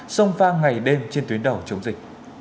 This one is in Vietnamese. song pha ngày đêm trên tuyến đầu chống dịch